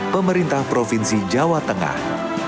pemerintah provinsi jawa tengah